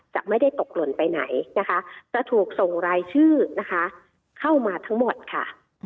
จะไม่ได้ตกหล่นไปไหนนะคะจะถูกส่งรายชื่อนะคะเข้ามาทั้งหมดค่ะ